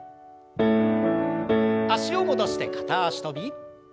脚を戻して片脚跳び。